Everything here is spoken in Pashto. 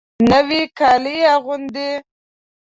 نوي کالي اغوندې